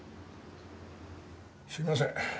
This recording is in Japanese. すいません。